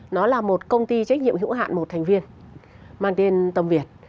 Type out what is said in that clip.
nó là một công ty trách nhiệm hữu hạn một thành viên mang tên tầm việt